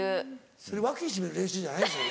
それ脇しめる練習じゃないですよね？